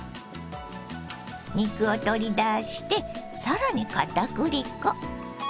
肉を取り出して更にかたくり粉。